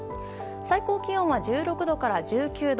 最高気温は１６度から１９度。